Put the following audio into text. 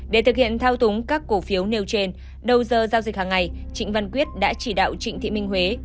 để thực hiện thao túng các cổ phiếu nêu trên đầu giờ giao dịch hàng ngày trịnh văn quyết đã chỉ đạo trịnh thị minh huế